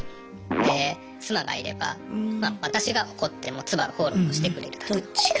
で妻がいれば私が怒っても妻がフォローをしてくれるだとか。